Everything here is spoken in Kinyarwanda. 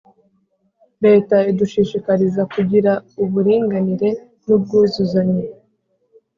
leta idushishikariza kugira uburinganire nubwuzuzanye